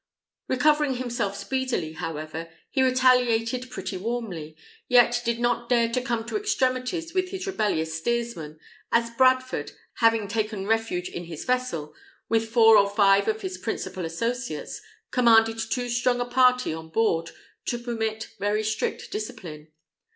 Recovering himself speedily, however, he retaliated pretty warmly, yet did not dare to come to extremities with his rebellious steersman, as Bradford, having taken refuge in his vessel, with four or five of his principal associates, commanded too strong a party on board to permit very strict discipline.